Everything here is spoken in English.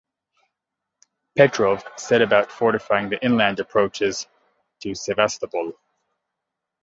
Petrov set about fortifying the inland approaches to Sevastopol.